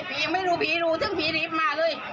ยังไม่รู้ผีรู้ทั้งผีรีบมาเลย